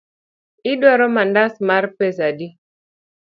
Iduaro mandas mar pesa adi?